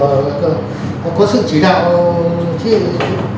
chứ không có sự chỉ đạo gì ạ